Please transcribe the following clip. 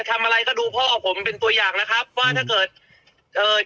ทำอะไรก็ดูพ่อผมเป็นตัวอย่างนะครับว่าถ้าเกิดเอ่อ